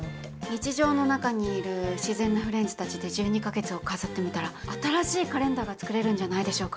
日常の中にいる自然なフレンズたちで１２か月を飾ってみたら新しいカレンダーが作れるんじゃないでしょうか。